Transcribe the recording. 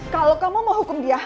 kalau kamu mau hukum dia